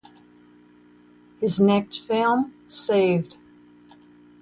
His next film, Saved!